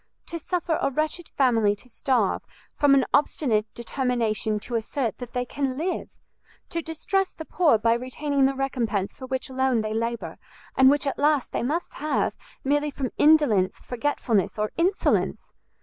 to suffer a wretched family to starve, from an obstinate determination to assert that they can live! to distress the poor by retaining the recompense for which alone they labour, and which at last they must have, merely from indolence, forgetfulness, or insolence!